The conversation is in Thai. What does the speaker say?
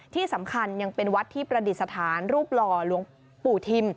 ที่สำคัญยังเป็นวัดที่ประดิษฐานรูปหล่อหลวงปู่ทิม